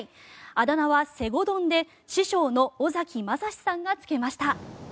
あだ名は西郷どんで師匠の尾崎将司さんがつけました。